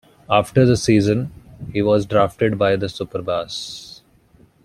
After the season, he was drafted by the Superbas.